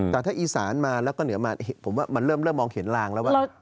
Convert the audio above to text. แต่ถ้าอีสานมาแล้วก็เหนือมาผมว่ามันเริ่มมองเห็นลางแล้วว่า